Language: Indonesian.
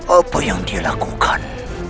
apa yang dia lakukan